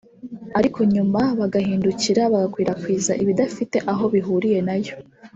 ariko nyuma bagahindukira bagakwirakwiza ibidafite aho bihuriye nayo